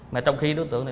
mà trong khi đối tượng này